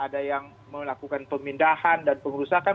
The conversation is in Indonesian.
ada yang melakukan pemindahan dan pengerusakan